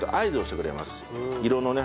色のね